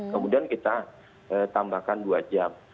kemudian kita tambahkan dua jam